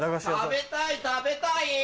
食べたい食べたい！